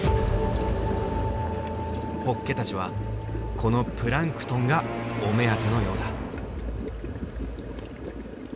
ホッケたちはこのプランクトンがお目当てのようだ。